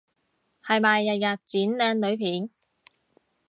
係咪日日剪靚女片？